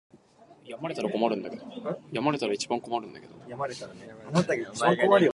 Temporary wattle and daub huts were erected and later substantial timber cottages.